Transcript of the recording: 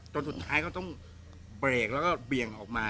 จนสุดท้ายเขาต้องเบรกแล้วก็เบี่ยงออกมา